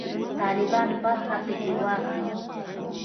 طالبان برخه پکښې واخلي.